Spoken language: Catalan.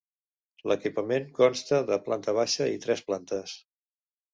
L'equipament consta de planta baixa i tres plantes.